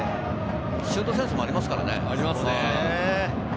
シュートセンスもありますからね。